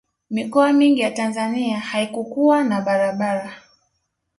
mikoa mingi ya tanzania haikukuwa na barabara